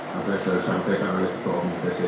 sampai sampai karena pemimpin sesi